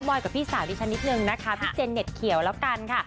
อยกับพี่สาวดิฉันนิดนึงนะคะพี่เจนเน็ตเขียวแล้วกันค่ะ